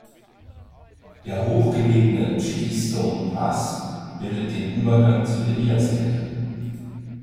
Der hoch gelegene "Chitistone-Pass" bildet den Übergang zur Eliaskette.